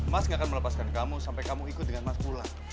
mas gak akan melepaskan kamu sampai kamu ikut dengan mas pula